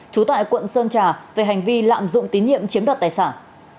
trú tại quận sơn trà về hành vi lạm dụng tín nhiệm chiếm đoạt tài sản